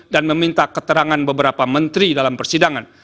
dan meminta keterangan beberapa menteri dalam persidangan